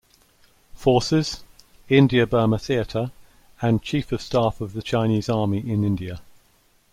Forces, India-Burma Theater, and Chief of Staff of the Chinese Army in India.